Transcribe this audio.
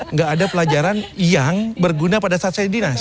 nggak ada pelajaran yang berguna pada saat saya dinas